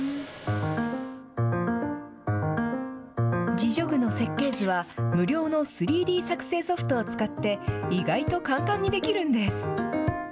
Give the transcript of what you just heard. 自助具の設計図は無料の３Ｄ作成ソフトを使って、意外と簡単にできるんです。